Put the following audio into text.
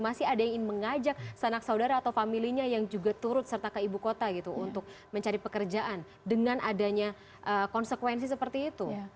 masih ada yang ingin mengajak sanak saudara atau familinya yang juga turut serta ke ibu kota gitu untuk mencari pekerjaan dengan adanya konsekuensi seperti itu